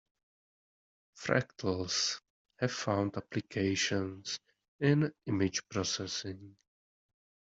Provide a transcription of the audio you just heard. Fractals have found applications in image processing.